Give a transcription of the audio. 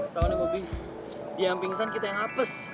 tau nih bobby dia yang pingsan kita yang hapes